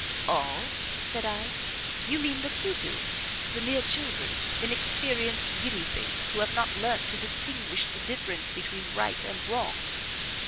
"All?" said I; "you mean the pupils the mere children inexperienced, giddy things, who have not learnt to distinguish the difference between right and wrong?"